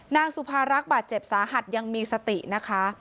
นางสุภารักษ์บาดเจ็บสาหัสยังมีสตินะคะ